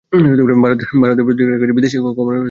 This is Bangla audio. ভারতের প্রতিরক্ষা ক্ষেত্রে বিদেশি আমদানি কমানোর আশা করা হচ্ছে।